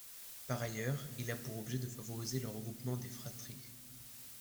Par ailleurs, il a pour objet de favoriser le regroupement des fratries.